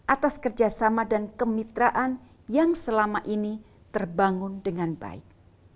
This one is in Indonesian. atas kerjasama dan kemitraan yang selama ini terbangun dengan baik